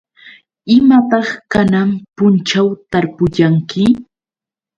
¿Imataq kanan punćhaw tarpuyanki?